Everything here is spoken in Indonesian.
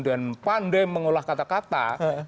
dan pandai mengolah kata kata